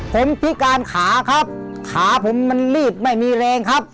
ผมพิการขาครับขาผมมันลืดไม่มีแรงครับ